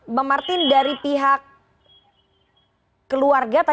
mbak martin dari pihak keluarga